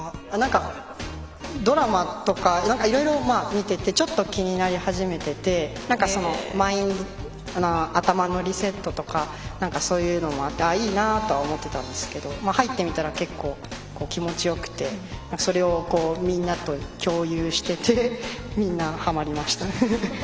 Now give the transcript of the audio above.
ドラマとかいろいろ見ててちょっと気になり始めてて頭のリセットとかそういうのもあっていいなって思ってたんですけど入ってみたら結構、気持ちよくてそれをみんなと共有しててみんな、はまりましたね。